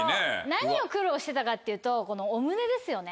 何を苦労してたかっていうとこのお胸ですよね。